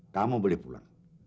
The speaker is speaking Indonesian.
kamu boleh pulang